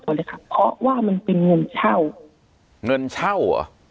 มั่นตัวค่ะเพราะว่ามันเป็นงานเช่าเงินเช่า